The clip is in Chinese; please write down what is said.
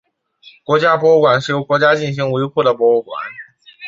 国家博物馆是由国家进行维护的博物馆。